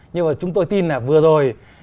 nhưng mà chúng tôi tin là vừa rồi